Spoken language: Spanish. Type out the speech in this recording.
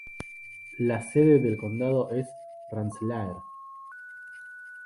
La sede del condado es Rensselaer.